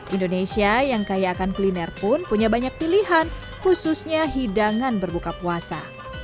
indonesia yang kaya akan kuliner pun punya banyak pilihan khususnya hidangan berbuka puasa